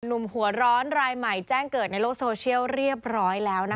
หนุ่มหัวร้อนรายใหม่แจ้งเกิดในโลกโซเชียลเรียบร้อยแล้วนะคะ